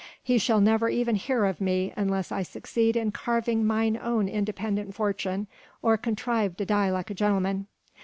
He shall never even hear of me unless I succeed in carving mine own independent fortune, or contrive to die like a gentleman."